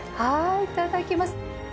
はいいただきます。